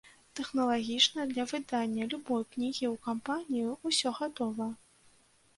Тэхналагічна для выдання любой кнігі ў кампаніі ўсё гатова.